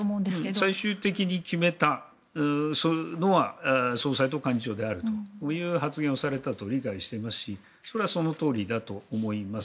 最終的に決めたのは総裁と幹事長であるという発言をされていたと理解していますしそれはそのとおりだと思います。